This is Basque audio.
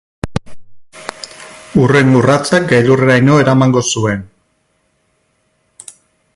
Hurrengo urratsak gailurreraino eramango zuen.